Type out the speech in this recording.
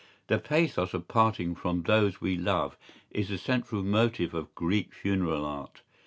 ¬Ý The pathos of parting from those we love is the central motive of Greek funeral art.